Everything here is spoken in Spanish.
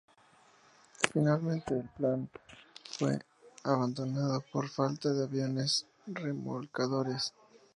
Finalmente, el plan, fue abandonado por la falta de aviones remolcadores.